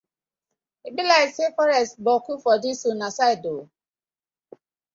E bi layk say forest boku for dis una side oo?